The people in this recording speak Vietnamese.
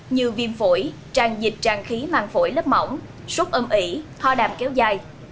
như viêm phổi tràn dịch tràn khí màng phổi lớp mỏng sốt âm ỉ hoa đàm kéo dài